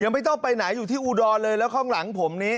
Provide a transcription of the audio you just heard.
ไม่ต้องไปไหนอยู่ที่อุดรเลยแล้วข้างหลังผมนี้